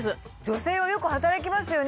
女性はよく働きますよね。